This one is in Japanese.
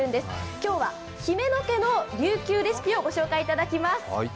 今日は姫野家のりゅうきゅうレシピをご紹介いただきます。